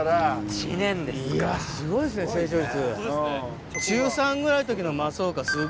いやすごいですね成長率。